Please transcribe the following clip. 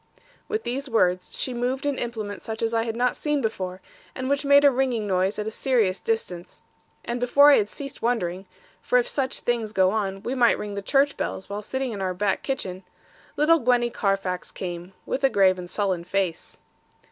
With these words, she moved an implement such as I had not seen before, and which made a ringing noise at a serious distance. And before I had ceased wondering for if such things go on, we might ring the church bells, while sitting in our back kitchen little Gwenny Carfax came, with a grave and sullen face.